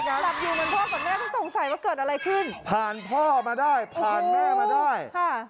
คือพ่อกับแม่ไม่รู้หรอกว่าตัวอะไร